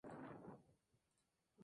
Es el vigente campeón.